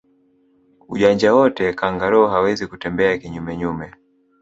Ujanja wote kangaroo hawezi kutembea kinyume nyume